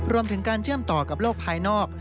รวมถึงการเชื่อมต่อกับโลกภายนอก